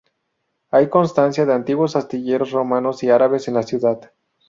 Hay constancia de antiguos astilleros romanos y árabes en la ciudad.